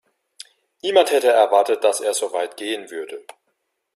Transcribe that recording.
Niemand hätte erwartet, dass er so weit gehen würde.